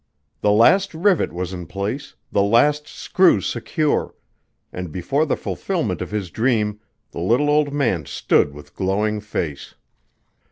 The last rivet was in place, the last screw secure, and before the fulfilment of his dream the little old man stood with glowing face.